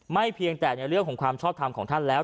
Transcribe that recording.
เพียงแต่ในเรื่องของความชอบทำของท่านแล้ว